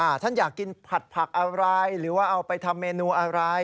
ท่านอยากกินผัดผักอะไรหรือว่าเอาไปทำเมนูอะไร